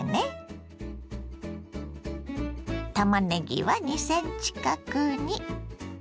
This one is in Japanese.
たまねぎは２ｃｍ角に。